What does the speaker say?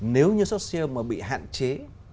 nếu như xuất siêu mà bị hạn chế